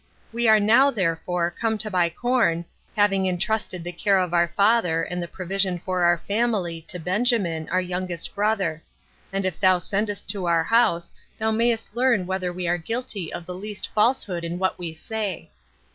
We are now, therefore, come to buy corn, having intrusted the care of our father, and the provision for our family, to Benjamin, our youngest brother; and if thou sendest to our house, thou mayst learn whether we are guilty of the least falsehood in what we say."